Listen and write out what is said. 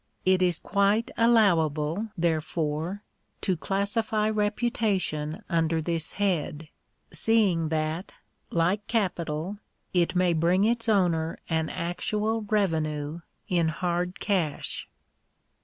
It is quite allowable therefore, to classifyVeputation under this head, seeing that, like capital, it may bring its owner an actual revenue in hard cash.